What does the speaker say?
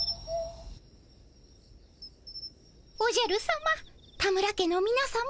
おじゃるさま田村家のみなさま